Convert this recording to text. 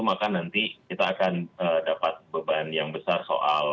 maka nanti kita akan dapat beban yang besar soal